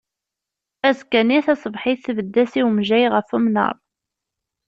Azekkan-nni tasebḥit tbed-as i wemjay ɣef umnar.